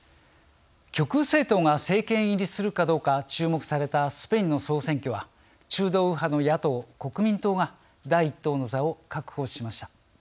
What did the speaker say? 極右政党が政権入りするかどうか注目されたスペインの総選挙は中道右派の野党・国民党が第１党の座を確保しました。